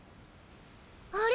あれ？